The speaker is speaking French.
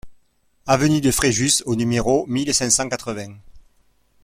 Avenue de Fréjus au numéro mille cinq cent quatre-vingts